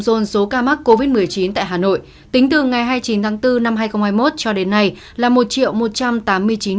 cộng số ca mắc covid một mươi chín tại hà nội tính từ ngày hai mươi chín tháng bốn năm hai nghìn hai mươi một cho đến nay là một một trăm tám mươi chín hai trăm sáu mươi ca